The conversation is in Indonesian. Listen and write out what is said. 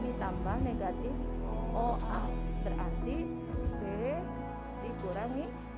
o e ditambah negatif o a berarti c c kurang nih